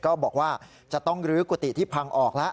บอกว่าจะต้องลื้อกุฏิที่พังออกแล้ว